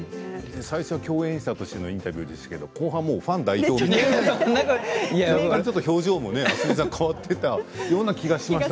最初、共演者としてのインタビューですけれども最後はファン代表みたいなちょっと表情も変わっていったような感じがしました